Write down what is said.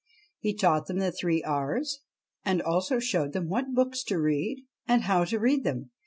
He taught them the three R's, and also showed them what books to read and how to read them.